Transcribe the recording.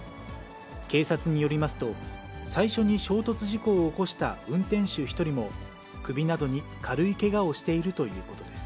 警察によりますと、最初に衝突事故を起こした運転手１人も、首などに軽いけがをしているということです。